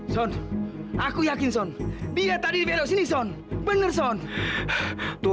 sampai jumpa di video selanjutnya